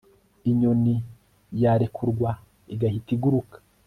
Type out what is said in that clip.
Inyoni yarekurwa igahita iguruka